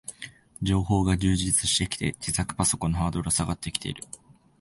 情報が充実してきて、自作パソコンのハードルは下がってきている